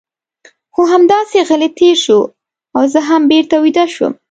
خو هغه همداسې غلی تېر شو او زه هم بېرته ویده شوم.